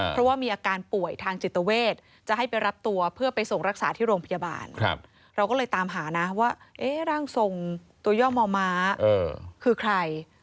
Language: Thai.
เพราะว่ามีอาการป่วยทางจิตเวทจะให้ไปรับตัวเพื่อไปส่งรักษาที่โรงพยาบาลเราก็เลยตามหานะว่าร่างทรงตัวย่อมอม้าคือใคร